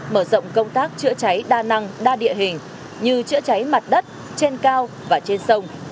mở rộng công tác chữa cháy đa năng đa địa hình như chữa cháy mặt đất trên cao và trên sông